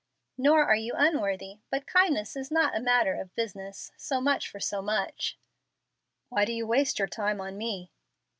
"Nor are you unworthy. But kindness is not a matter of business so much for so much." "Why do you waste your time on me?"